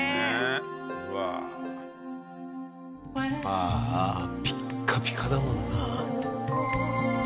ああああピッカピカだもんな。